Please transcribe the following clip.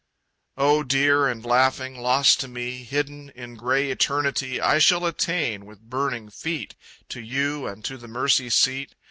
Oh dear and laughing, lost to me, Hidden in grey Eternity, I shall attain, with burning feet, To you and to the mercy seat!